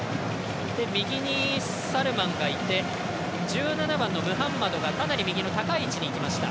右にサルマンがいて１７番、ムハンマドがかなり右の高い位置にいきました。